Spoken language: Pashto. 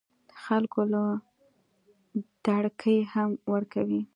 خلکو له دړکې هم ورکوي